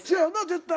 絶対。